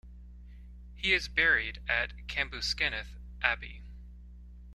He is buried at Cambuskenneth Abbey.